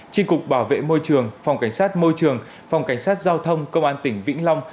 tri cục bảo vệ môi trường phòng cảnh sát môi trường phòng cảnh sát giao thông công an tỉnh vĩnh long